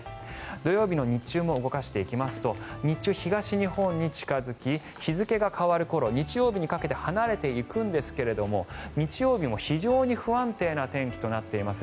土曜日の日中も動かしていきますと日中、東日本に近付き日付が変わる頃日曜日にかけて離れていくんですが日曜日も非常に不安定な天気となっています。